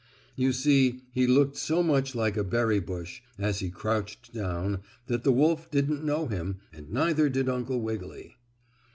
You see he looked so much like a berry bush, as he crouched down, that the wolf didn't know him, and neither did Uncle Wiggily.